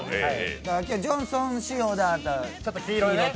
今日は「ジョンソン」仕様で黄色と。